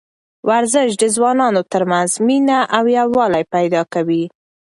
ورزش د ځوانانو ترمنځ مینه او یووالی پیدا کوي.